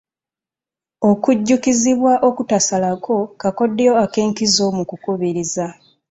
Okujjukizibwa okutasalako kakodya ak'enkizo mu kukubiriza.